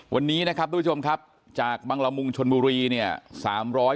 วันนี้นะครับทุกผู้ชมครับจากบังละมุงชนบุรีเนี่ย